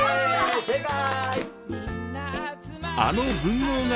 正解！